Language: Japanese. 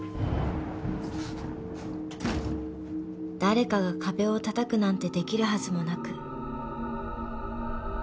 ［誰かが壁をたたくなんてできるはずもなく］